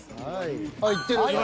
あっいってる。